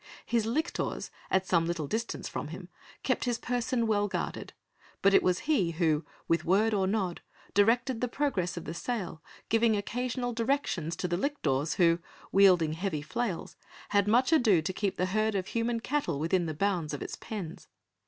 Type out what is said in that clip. His lictors, at some little distance from him, kept his person well guarded, but it was he who, with word or nod, directed the progress of the sale, giving occasional directions to the lictors who wielding heavy flails had much ado to keep the herd of human cattle within the bounds of its pens.